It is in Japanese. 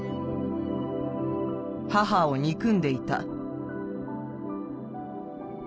母を憎んでいた。